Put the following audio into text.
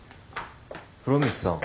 風呂光さん。